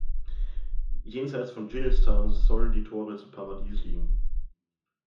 Jenseits von Dschinnistan sollen die Tore zum Paradies liegen.